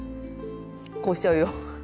こうしちゃうよ。